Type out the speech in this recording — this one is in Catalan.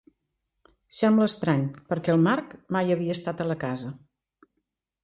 Sembla estrany, perquè el Mark mai havia estat a la casa.